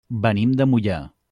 Venim de Moià.